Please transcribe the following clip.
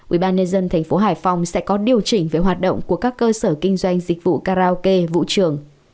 ủy ban nhân dân thành phố hải phòng sẽ có điều chỉnh về hoạt động của các cơ sở kinh doanh dịch vụ karaoke vũ trường